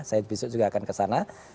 saya besok juga akan kesana